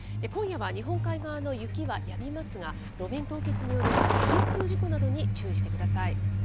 今夜は日本海側の雪はやみますが、路面凍結によるスリップ事故などに注意してください。